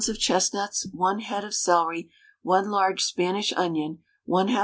of chestnuts, 1 head of celery, 1 large Spanish onion, 1/2 lb.